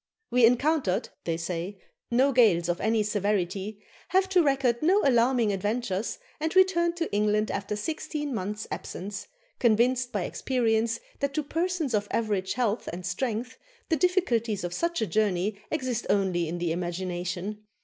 "We encountered," they say, "no gales of any severity, have to record no alarming adventures, and returned to England after sixteen months' absence, convinced by experience that to persons of average health and strength the difficulties of such a journey exist only in the imagination.